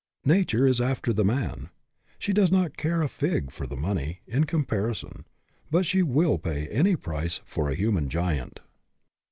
Nature is after the man. She does not care a fig for the money, in comparison ; but she will pay any price for a human giant.